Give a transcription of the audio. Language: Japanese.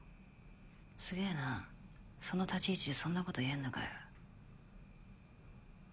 すげぇなその立ち位置でそんなこと言えんのかよ。